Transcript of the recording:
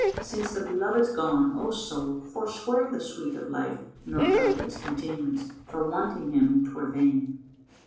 Since the belovčd's gone, O soul, forswear the sweet of life Nor covet its continuance, for, wanting him, 'twere vain.